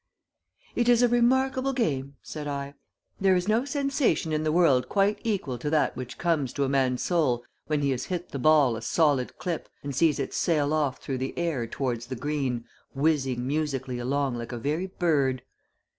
"It is a remarkable game," said I. "There is no sensation in the world quite equal to that which comes to a man's soul when he has hit the ball a solid clip and sees it sail off through the air towards the green, whizzing musically along like a very bird."